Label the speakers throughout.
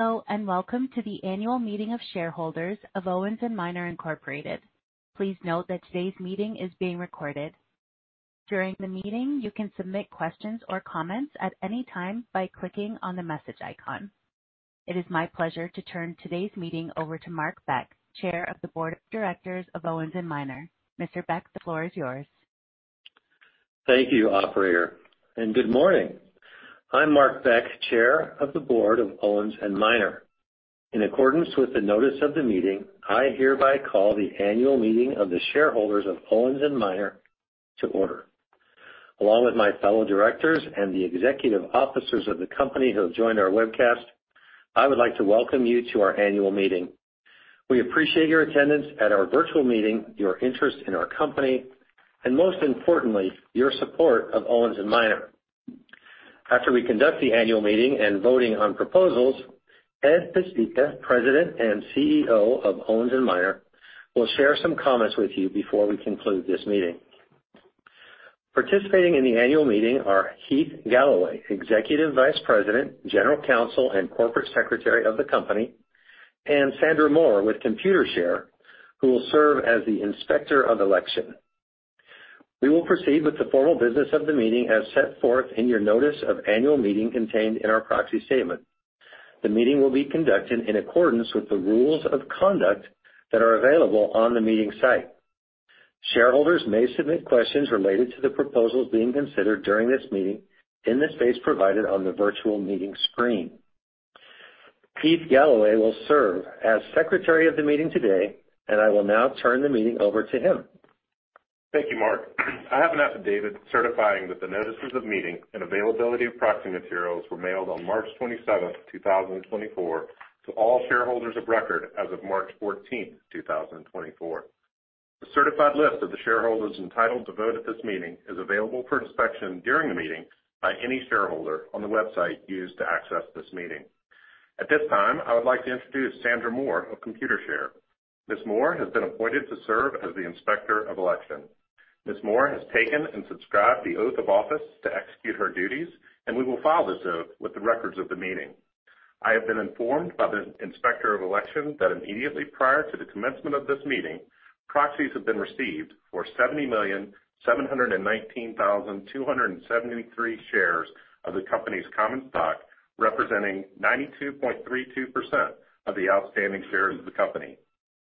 Speaker 1: Hello and welcome to the annual meeting of shareholders of Owens & Minor, Incorporated. Please note that today's meeting is being recorded. During the meeting, you can submit questions or comments at any time by clicking on the message icon. It is my pleasure to turn today's meeting over to Mark Beck, Chair of the Board of Directors of Owens & Minor. Mr. Beck, the floor is yours.
Speaker 2: Thank you, Operator, and good morning. I'm Mark Beck, Chair of the Board of Owens & Minor. In accordance with the notice of the meeting, I hereby call the annual meeting of the shareholders of Owens & Minor to order. Along with my fellow directors and the executive officers of the company who have joined our webcast, I would like to welcome you to our annual meeting. We appreciate your attendance at our virtual meeting, your interest in our company, and most importantly, your support of Owens & Minor. After we conduct the annual meeting and voting on proposals, Ed Pesicka, President and CEO of Owens & Minor, will share some comments with you before we conclude this meeting. Participating in the annual meeting are Heath Galloway, Executive Vice President, General Counsel and Corporate Secretary of the company, and Sandra Moore with Computershare, who will serve as the inspector of election. We will proceed with the formal business of the meeting as set forth in your notice of annual meeting contained in our proxy statement. The meeting will be conducted in accordance with the rules of conduct that are available on the meeting site. Shareholders may submit questions related to the proposals being considered during this meeting in the space provided on the virtual meeting screen. Heath Galloway will serve as Secretary of the meeting today, and I will now turn the meeting over to him.
Speaker 3: Thank you, Mark. I have an affidavit certifying that the notices of meeting and availability of proxy materials were mailed on March 27th, 2024, to all shareholders of record as of March 14th, 2024. The certified list of the shareholders entitled to vote at this meeting is available for inspection during the meeting by any shareholder on the website used to access this meeting. At this time, I would like to introduce Sandra Moore of Computershare. Ms. Moore has been appointed to serve as the inspector of election. Ms. Moore has taken and subscribed the oath of office to execute her duties, and we will file this oath with the records of the meeting. I have been informed by the inspector of election that immediately prior to the commencement of this meeting, proxies have been received for 70,719,273 shares of the company's common stock, representing 92.32% of the outstanding shares of the company.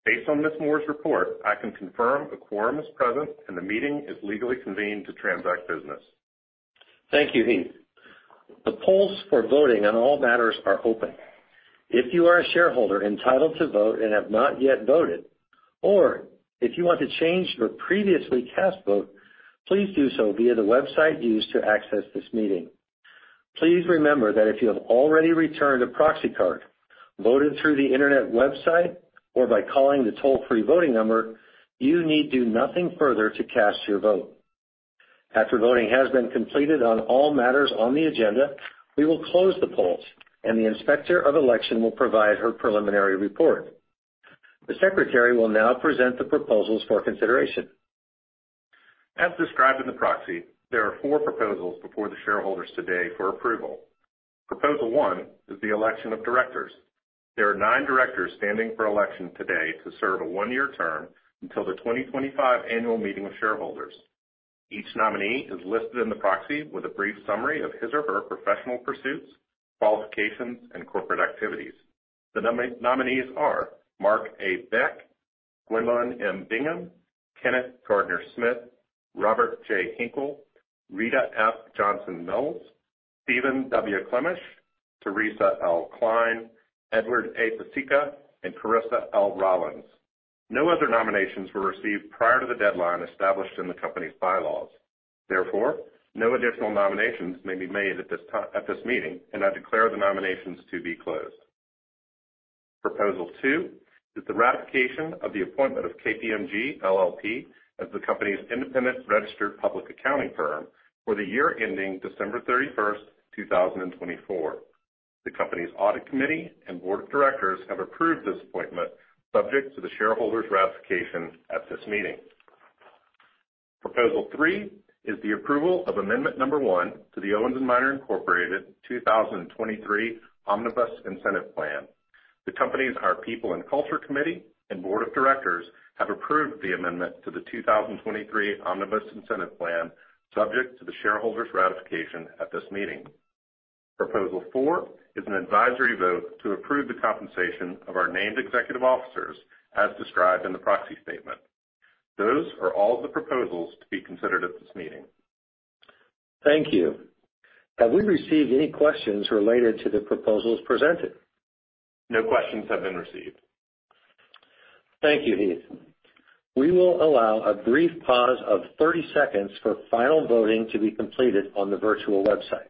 Speaker 3: Based on Ms. Moore's report, I can confirm a quorum is present and the meeting is legally convened to transact business.
Speaker 2: Thank you, Heath. The polls for voting on all matters are open. If you are a shareholder entitled to vote and have not yet voted, or if you want to change your previously cast vote, please do so via the website used to access this meeting. Please remember that if you have already returned a proxy card, voted through the internet website, or by calling the toll-free voting number, you need to do nothing further to cast your vote. After voting has been completed on all matters on the agenda, we will close the polls, and the inspector of election will provide her preliminary report. The secretary will now present the proposals for consideration.
Speaker 3: As described in the proxy, there are four proposals before the shareholders today for approval. Proposal one is the election of directors. There are nine directors standing for election today to serve a one-year term until the 2025 annual meeting of shareholders. Each nominee is listed in the proxy with a brief summary of his or her professional pursuits, qualifications, and corporate activities. The nominees are Mark A. Beck, Gwendolyn M. Bingham, Kenneth Gardner-Smith, Robert J. Henkel, Rita F. Johnson-Mills, Stephen W. Klemash, Teresa L. Kline, Edward A. Pesicka, and Carissa L. Rollins. No other nominations were received prior to the deadline established in the company's bylaws. Therefore, no additional nominations may be made at this meeting, and I declare the nominations to be closed. Proposal 2 is the ratification of the appointment of KPMG LLP as the company's independent registered public accounting firm for the year ending December 31st, 2024. The company's Audit Committee and Board of Directors have approved this appointment subject to the shareholders' ratification at this meeting. Proposal 3 is the approval of amendment number 1 to the Owens & Minor, Inc. 2023 Omnibus Incentive Plan. The company's our People and Culture Committee and Board of Directors have approved the amendment to the 2023 Omnibus Incentive Plan subject to the shareholders' ratification at this meeting. Proposal 4 is an advisory vote to approve the compensation of our named executive officers as described in the Proxy Statement. Those are all of the proposals to be considered at this meeting.
Speaker 2: Thank you. Have we received any questions related to the proposals presented?
Speaker 3: No questions have been received.
Speaker 2: Thank you, Heath. We will allow a brief pause of 30 seconds for final voting to be completed on the virtual website.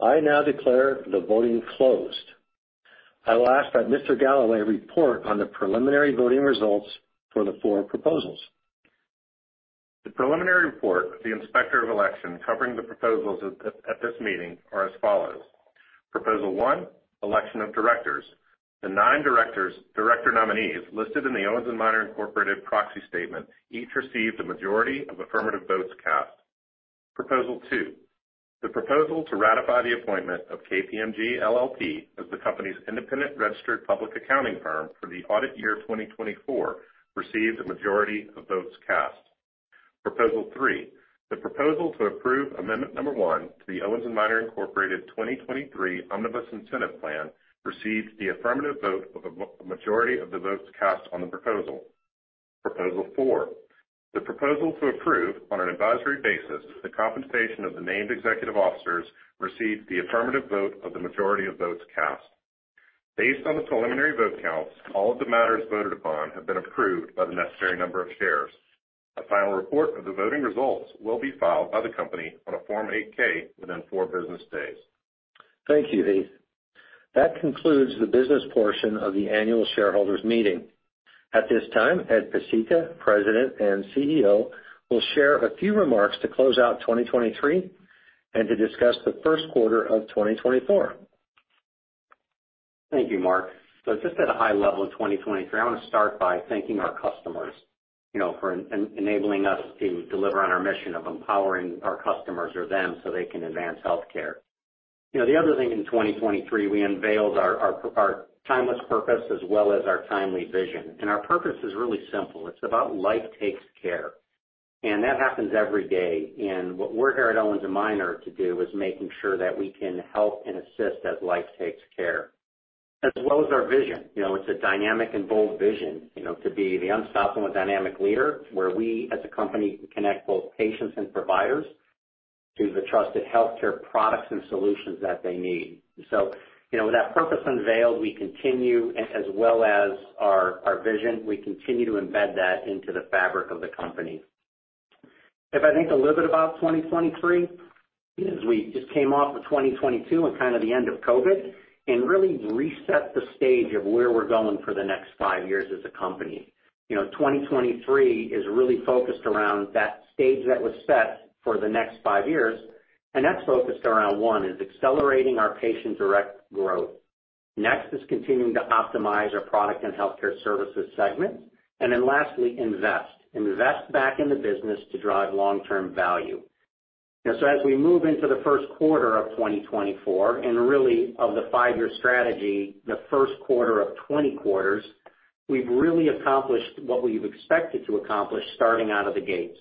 Speaker 2: I now declare the voting closed. I will ask that Mr. Galloway report on the preliminary voting results for the four proposals.
Speaker 3: The preliminary report of the inspector of election covering the proposals at this meeting are as follows. Proposal 1, election of directors. The 9 directors' director nominees listed in the Owens & Minor, Incorporated, Proxy Statement each received a majority of affirmative votes cast. Proposal 2, the proposal to ratify the appointment of KPMG LLP as the company's independent registered public accounting firm for the audit year 2024 received a majority of votes cast. Proposal 3, the proposal to approve amendment number 1 to the Owens & Minor, Incorporated, 2023 Omnibus Incentive Plan received the affirmative vote of a majority of the votes cast on the proposal. Proposal 4, the proposal to approve on an advisory basis the compensation of the named executive officers received the affirmative vote of the majority of votes cast. Based on the preliminary vote counts, all of the matters voted upon have been approved by the necessary number of shares. A final report of the voting results will be filed by the company on a Form 8-K within four business days.
Speaker 2: Thank you, Heath. That concludes the business portion of the annual shareholders' meeting. At this time, Ed Pesicka, President and CEO, will share a few remarks to close out 2023 and to discuss the first quarter of 2024.
Speaker 4: Thank you, Mark. So just at a high level of 2023, I want to start by thanking our customers for enabling us to deliver on our mission of empowering our customers or them so they can advance healthcare. The other thing in 2023, we unveiled our timeless purpose as well as our timely vision. And our purpose is really simple. It's about Life Takes Care. And that happens every day. And what we're here at Owens & Minor to do is making sure that we can help and assist as Life Takes Care, as well as our vision. It's a dynamic and bold vision to be the unstoppable dynamic leader where we, as a company, can connect both patients and providers to the trusted healthcare products and solutions that they need. So with that purpose unveiled, we continue, as well as our vision, we continue to embed that into the fabric of the company. If I think a little bit about 2023, as we just came off of 2022 and kind of the end of COVID and really reset the stage of where we're going for the next five years as a company, 2023 is really focused around that stage that was set for the next five years. That's focused around, one, is accelerating our Patient Direct growth. Next is continuing to optimize our product and healthcare services segments. And then lastly, invest, invest back in the business to drive long-term value. So as we move into the first quarter of 2024 and really of the five-year strategy, the first quarter of 20 quarters, we've really accomplished what we've expected to accomplish starting out of the gates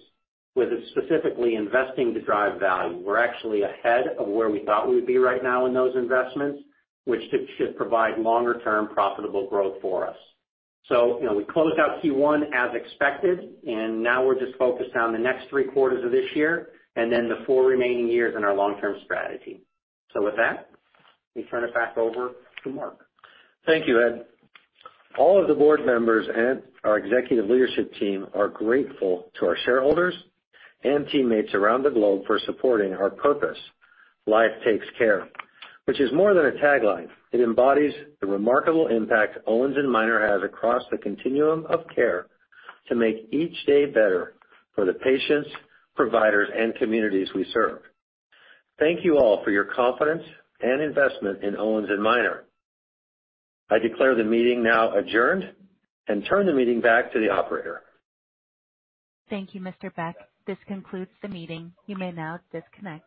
Speaker 4: with specifically investing to drive value. We're actually ahead of where we thought we would be right now in those investments, which should provide longer-term profitable growth for us. So we closed out Q1 as expected, and now we're just focused on the next three quarters of this year and then the four remaining years in our long-term strategy. So with that, we turn it back over to Mark.
Speaker 2: Thank you, Ed. All of the board members and our executive leadership team are grateful to our shareholders and teammates around the globe for supporting our purpose, Life Takes Care, which is more than a tagline. It embodies the remarkable impact Owens & Minor has across the continuum of care to make each day better for the patients, providers, and communities we serve. Thank you all for your confidence and investment in Owens & Minor. I declare the meeting now adjourned and turn the meeting back to the operator.
Speaker 1: Thank you, Mr. Beck. This concludes the meeting. You may now disconnect.